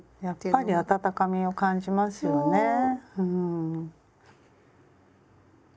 やっぱり温かみを感じますよね。